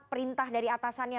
perintah dari atasannya